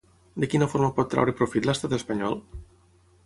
De quina forma pot treure profit l'estat espanyol?